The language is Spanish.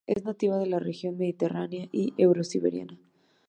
Es nativa de la región Mediterránea y eurosiberiana.